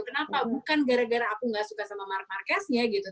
kenapa bukan gara gara aku gak suka sama mark marqueznya gitu